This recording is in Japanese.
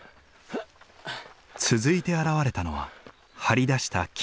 続いて現れたのは張り出した木の根。